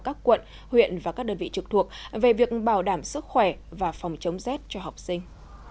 các quận huyện và các đơn vị trực thuộc về việc bảo đảm sức khỏe và phòng chống rét cho học sinh